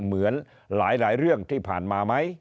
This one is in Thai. เหมือนหลายเรื่องที่ผ่านมาไหม